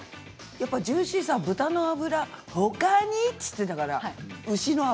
やっぱジューシーさ豚の脂ほかにって言ってたから牛の脂。